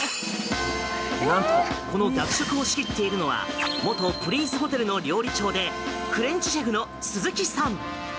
なんとこの学食を仕切っているのは元プリンスホテルの料理長でフレンチシェフの鈴木さん！